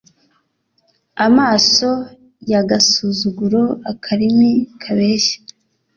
amaso y'agasuzuguro, akarimi kabeshya